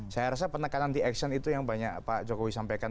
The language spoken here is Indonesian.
saya rasa penekanan di action itu yang banyak pak jokowi sampaikan